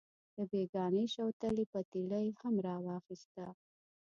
د بېګانۍ شوتلې پتیله یې هم راواخیسته.